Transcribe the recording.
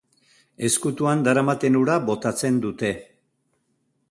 Ezkutuan daramaten ura botatzen dute.